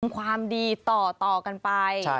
ความดีต่อกันไป